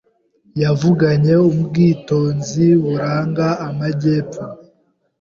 Yavuganye ubwitonzi buranga amajyepfo.